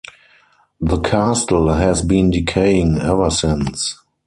The Castle has been decaying ever since.